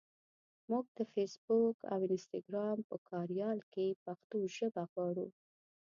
مونږ د فېسبوک او انسټګرام په کاریال کې پښتو ژبه غواړو.